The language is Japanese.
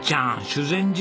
修善寺